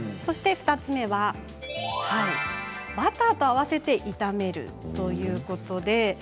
２つ目はバターと合わせて炒めるということなんです。